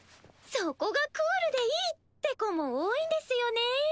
そこがクールでいいって子も多いんですよね。